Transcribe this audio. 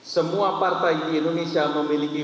semua partai di indonesia memiliki